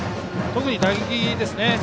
特に打撃ですね。